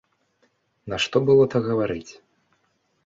Нашто было так гаварыць?